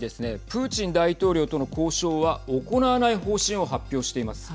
プーチン大統領との交渉は行わない方針を発表しています。